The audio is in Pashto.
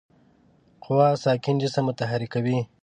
قوه ساکن جسم متحرک کوي.